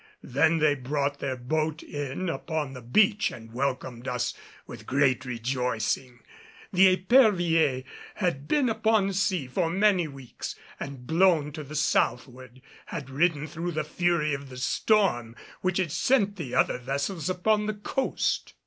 Then they brought their boat in upon the beach and welcomed us with great rejoicing. The Epervier had been upon the sea for many weeks, and blown to the southward, had ridden through the fury of the storm which had sent the other vessels upon the coast.